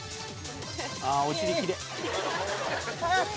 「ああお尻きれい」